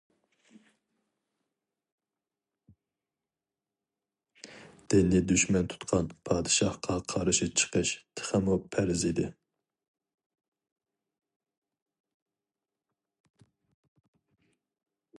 دىننى دۈشمەن تۇتقان پادىشاھقا قارشى چىقىش تېخىمۇ پەرز ئىدى.